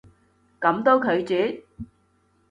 噉都拒絕？